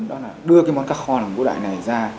đó là đưa cái món cá kho làng vũ đại này ra